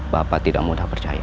bapak tidak mudah percaya